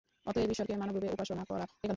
অতএব ঈশ্বরকে মানবরূপে উপাসনা করা একান্ত আবশ্যক।